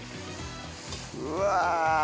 うわ！